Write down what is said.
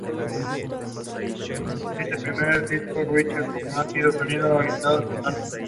En este primer disco Richie con un sonido más orientado al blues.